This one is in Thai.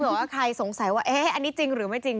เผื่อว่าใครสงสัยว่าอันนี้จริงหรือไม่จริง